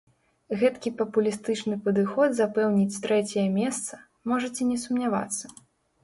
Гэткі папулістычны падыход запэўніць трэцяе месца, можаце не сумнявацца.